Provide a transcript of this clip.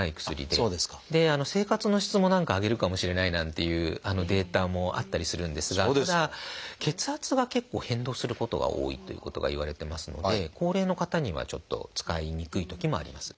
で生活の質も何か上げるかもしれないなんていうデータもあったりするんですがただ血圧が結構変動することが多いということがいわれてますので高齢の方にはちょっと使いにくいときもあります。